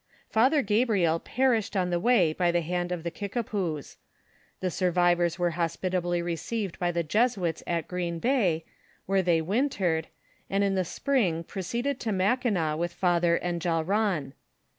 Father Gabriel perished on the way by the hand of the Kikapoos ; the survivors were liospitably received by the Jesuits at Green Bay, where they wintered, and in the spring proceeded to Mackinaw with Father Enjalran.